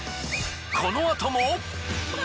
このあとも。